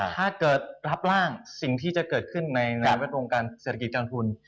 ถ้าเกิดรับร่างสิ่งที่จะเกิดขึ้นในแวดวงการเศรษฐกิจการทุน